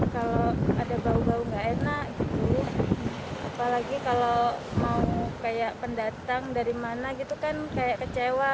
kalau ada bau bau nggak enak gitu apalagi kalau mau kayak pendatang dari mana gitu kan kayak kecewa